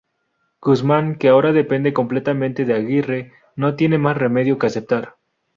Guzmán, que ahora depende completamente de Aguirre, no tiene más remedio que aceptar.